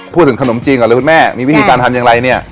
พูดถึงขนมจีนก่อนเลยคุณแม่มีวิธีการทำอย่างไรเนี่ย